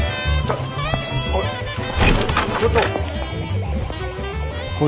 ちょっと。